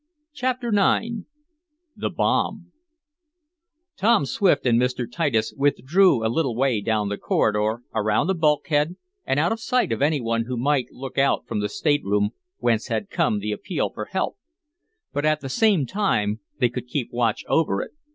Chapter IX The Bomb Tom Swift and Mr. Titus withdrew a little way down the corridor, around a bulkhead and out of sight of any one who might look out from the stateroom whence had come the appeal for help. But, at the same time, they could keep watch over it.